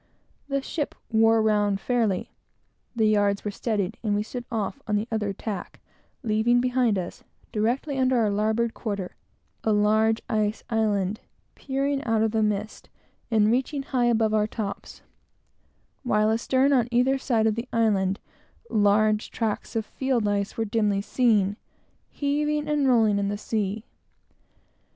The ship wore round fairly, the yards were steadied, and we stood off on the other tack, leaving behind us, directly under our larboard quarter, a large ice island, peering out of the mist, and reaching high above our tops, while astern; and on either side of the island, large tracts of field ice were dimly seen, heaving and rolling in the sea.